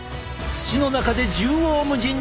土の中で縦横無尽に伸び。